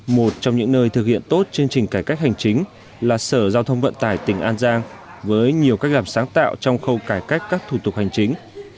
một trong những nơi thực hiện tốt chương trình cải cách hành chính là sở giao thông vận tải tỉnh an giang với nhiều cách làm sáng tạo trong khâu cải cách các thủ tục hành chính